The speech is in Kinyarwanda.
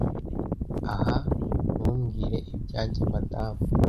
ah ntumbwire ibyanjye madamu